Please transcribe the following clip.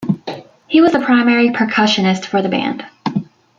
He was the primary percussionist for the band.